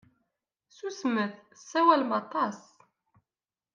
Susmet! Tessawalem aṭas.